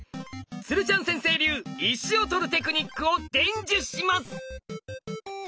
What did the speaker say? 鶴ちゃん先生流石を取るテクニックを伝授します！